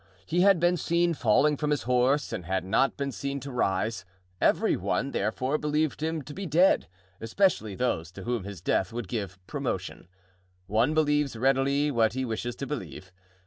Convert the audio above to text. He had been seen falling from his horse and had not been seen to rise; every one, therefore, believed him to be dead, especially those to whom his death would give promotion. One believes readily what he wishes to believe.